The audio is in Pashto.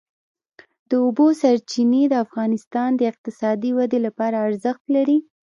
د اوبو سرچینې د افغانستان د اقتصادي ودې لپاره ارزښت لري.